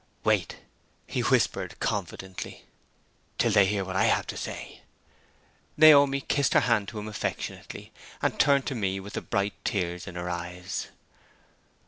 "Wait," he whispered, confidently, "till they hear what I have to say!" Naomi kissed her hand to him affectionately, and turned to me with the bright tears in her eyes.